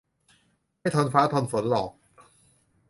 ไม่ทนฟ้าทนฝนหรอก